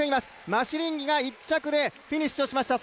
マシリンギが１着でフィニッシュしました。